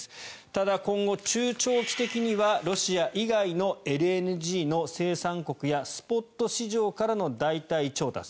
ただ、今後、中長期的にはロシア以外のＬＮＧの生産国やスポット市場からの代替調達。